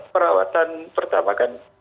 perawatan pertama kan